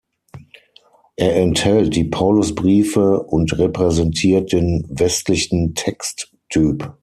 Er enthält die Paulusbriefe und repräsentiert den westlichen Texttyp.